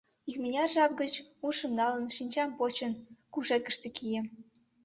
Икмыняр жап гыч, ушым налын, шинчам почым: кушеткыште кием.